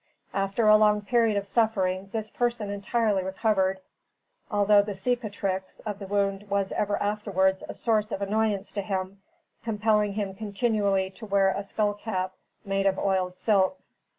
After a long period of suffering this person entirely recovered, although the cicatrix of the wound was ever afterwards a source of annoyance to him, compelling him continually to wear a skull cap made of oiled silk.